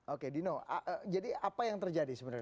oke dino jadi apa yang terjadi sebenarnya